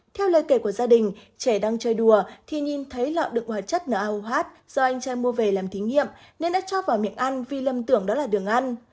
theo lời kể của gia đình trẻ đang chơi đùa thì nhìn thấy lọ đựng hoạt chất noh do anh trai mua về làm thí nghiệm nên đã cho vào miệng ăn vì lâm tưởng đó là đường ăn